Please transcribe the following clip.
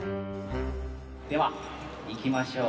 ではいきましょう！